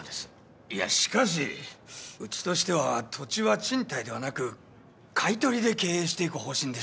いやしかしうちとしては土地は賃貸ではなく買い取りで経営していく方針でして。